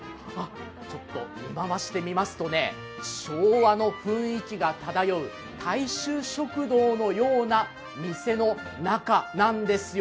ちょっと見回してみますと昭和の雰囲気が漂う大衆食堂のような店の中なんですよ。